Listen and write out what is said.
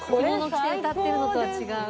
着物着て歌ってるのとは違う。